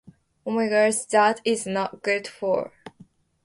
「残念ながら、誤解ではありません」と、村長がいう。「私が申し上げているとおりです」